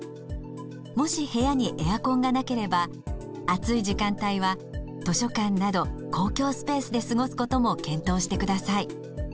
もし部屋にエアコンがなければ暑い時間帯は図書館など公共スペースで過ごすことも検討してください。